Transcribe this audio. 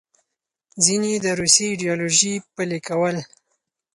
ځینې یې د روسي ایډیالوژي پلې کول.